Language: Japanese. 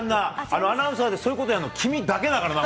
アナウンサーでそういうことやるの、君だけだからな。